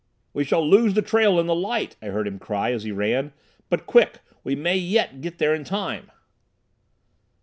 "We shall lose the trail in the light," I heard him cry as he ran. "But quick! We may yet get there in time!"